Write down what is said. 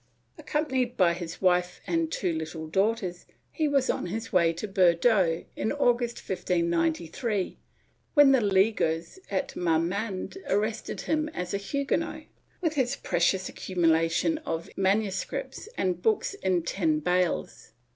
Accompanied by his wife and two Httle daughters, he was on his way to Bordeaux, in August, 1593, when the Leaguers at Marmande arrested him as a Huguenot, with his precious accu mulation of MSS. and books in ten bales.